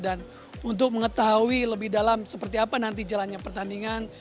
dan untuk mengetahui lebih dalam seperti apa nanti jalannya pertandingan